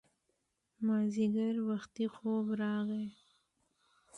مازیګر وختي خوب راغی